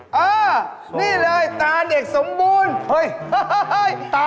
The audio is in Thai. อ้าวนี่เลยตาเด็กสมบูรณ์เฮ่ยอื้อฮ่า